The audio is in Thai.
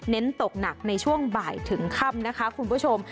เน้นตกหนักในช่วงบ่ายถึงค่ำนะคะคุณผู้ชม